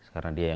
karena dia yang